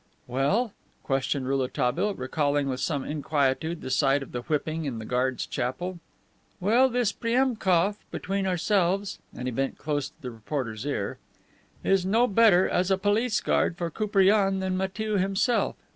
"Well?" questioned Rouletabille, recalling with some inquietude the sight of the whipping in the guards' chapel. "Well, this Priemkof, between ourselves," (and he bent close to the reporter's ear) "is no better, as a police guard for Koupriane than Matiew himself.